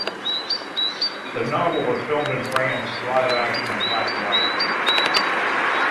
The novel was filmed in France as live action in black and white.